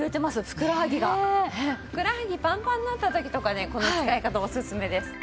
ふくらはぎパンパンになった時とかにこの使い方おすすめです。